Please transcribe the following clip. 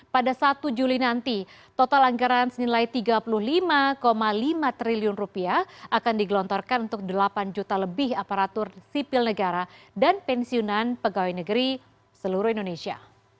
pada satu juli nanti total anggaran senilai rp tiga puluh lima lima triliun rupiah akan digelontorkan untuk delapan juta lebih aparatur sipil negara dan pensiunan pegawai negeri seluruh indonesia